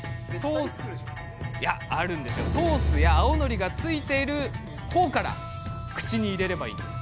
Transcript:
ソースや青のりがついている方から口に入れればいいんです。